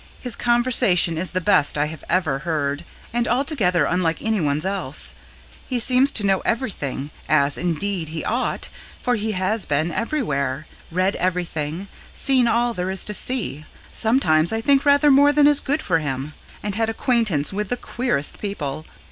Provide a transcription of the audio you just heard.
His conversation is the best I have ever heard, and altogether unlike anyone's else. He seems to know everything, as, indeed, he ought, for he has been everywhere, read everything, seen all there is to see sometimes I think rather more than is good for him and had acquaintance with the QUEEREST people.